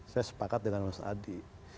saya sepakat dengan mas adi